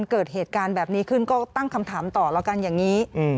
เกิดเหตุการณ์แบบนี้ขึ้นก็ตั้งคำถามต่อแล้วกันอย่างนี้